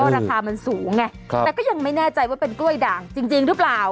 ราคามันสูงไงแต่ก็ยังไม่แน่ใจว่าเป็นกล้วยด่างจริงหรือเปล่า